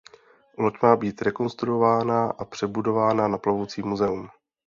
Loď má být rekonstruována a přebudována na plovoucí muzeum.